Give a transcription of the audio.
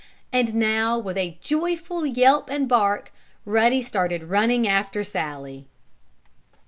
And now, with a joyful yelp and bark, Ruddy started running after Sallie.